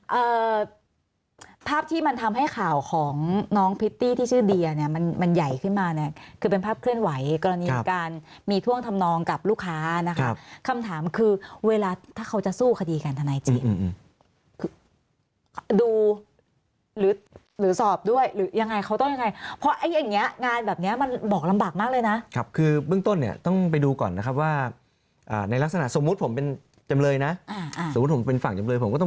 ว่าภาพที่มันทำให้ข่าวของน้องพิตตี้ที่ชื่อเดียเนี่ยมันมันใหญ่ขึ้นมาเนี่ยคือเป็นภาพเคลื่อนไหวกรณีการมีท่วงทำนองกับลูกค้านะครับคำถามคือเวลาถ้าเขาจะสู้คดีกันทนายเจียนดูหรือหรือสอบด้วยหรือยังไงเขาต้องยังไงเพราะไอ้อย่างเงี้ยงานแบบเนี้ยมันบอกลำบากมากเลยนะครับคือเบื้องต้นเน